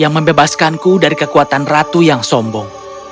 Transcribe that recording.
yang membebaskanku dari kekuatan ratu yang sombong